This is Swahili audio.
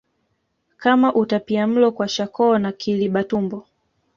kama utapiamulo kwashakoo na kiliba tumbo